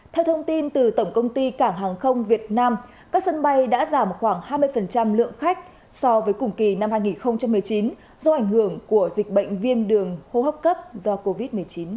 theo thông tin từ tổng công ty cảng hàng không việt nam các sân bay đã giảm khoảng hai mươi lượng khách so với cùng kỳ năm hai nghìn một mươi chín do ảnh hưởng của dịch bệnh viêm đường hô hấp cấp do covid một mươi chín